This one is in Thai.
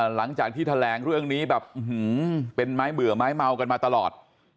หลังจากที่แถลงเรื่องนี้แบบเป็นไม้เบื่อไม้เมากันมาตลอด